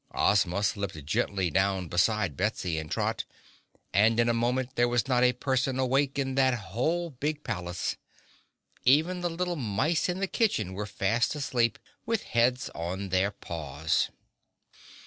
Ozma slipped gently down beside Betsy and Trot, and in a moment there was not a person awake in that whole big palace. Even the little mice in the kitchen were fast asleep, with heads on their paws.